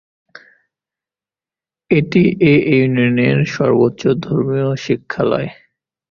এটি এ ইউনিয়নের সর্বোচ্চ ধর্মীয় শিক্ষালয়।